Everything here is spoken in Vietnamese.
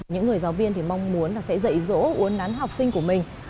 những người giáo viên thì mong muốn là sẽ dạy dỗ uốn nắn học sinh của mình